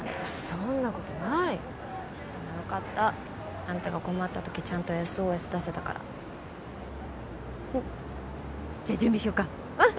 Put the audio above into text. そんなことないでもよかったあんたが困った時ちゃんとＳＯＳ出せたからうんじゃあ準備しようかうん！